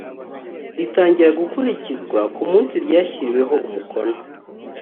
ritangira gukurikizwa ku munsi ryashyiriweho umukono